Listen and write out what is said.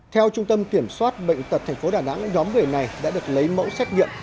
theo trung tâm kiểm soát bệnh tật tp đà nẵng nhóm người này đã được lấy mẫu xét nghiệm